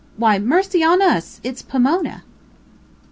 Why, mercy on us! It's Pomona!"